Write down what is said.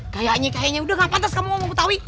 kayaknya kayaknya udah gak pantas kamu ngomong betawi